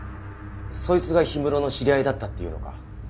そいつが氷室の知り合いだったっていうのか？